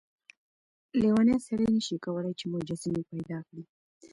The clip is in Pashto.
لیونی سړی نشي کولای چې مجسمې پیدا کړي.